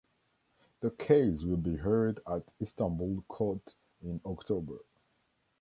The case will be heard at Istanbul court in October.